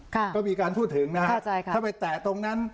ค่ะก็มีการพูดถึงนะฮะเข้าใจค่ะถ้าไปแตะตรงนั้น